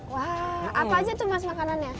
wah apa aja tuh mas makanannya